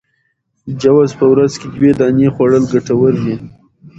جوز په ورځ کي دوې دانې خوړل ګټور دي